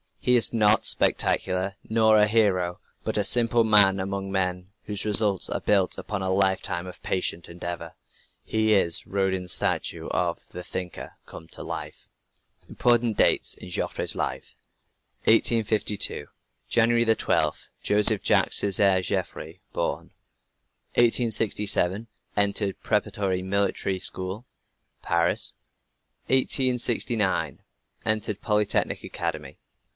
He is not spectacular, nor a "hero," but a simple man among men, whose results are built upon a lifetime of patient endeavor. He is Rodin's statue of "The Thinker" come to life. IMPORTANT DATES IN JOFFRE'S LIFE 1852. January 12. Joseph Jacques Césaire Joffre born. 1867. Entered preparatory military school, Paris. 1869. Entered Polytechnic Academy.